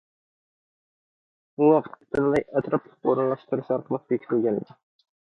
بۇ ۋاقىت پۈتۈنلەي ئەتراپلىق ئورۇنلاشتۇرۇش ئارقىلىق بېكىتىلگەن ئىدى.